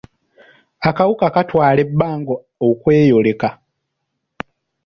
Akawuka katwala ebbanga okweyoleka.